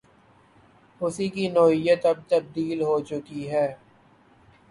اس کی نوعیت اب تبدیل ہو چکی ہے۔